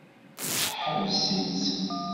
Teḥbes-itt.